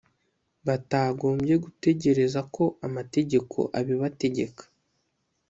batagombye gutegereza ko amategeko abibategeka